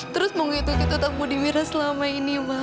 terus monggit onggit utang budi mira selama ini mak